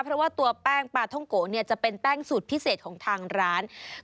เพราะว่าตัวแป้งปลาท่องโกะเนี่ยจะเป็นแป้งสูตรพิเศษของทางร้าน